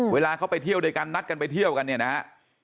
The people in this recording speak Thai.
เวลาเขาไปเที่ยวด้วยกันนัดกันไปเที่ยวกันเนี่ยนะฮะ